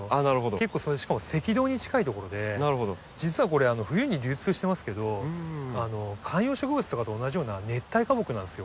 結構しかも赤道に近いところで実はこれ冬に流通してますけど観葉植物とかと同じような熱帯花木なんですよ。